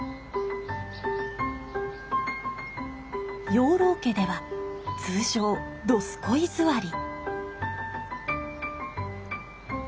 養老家では通称どスコい座り。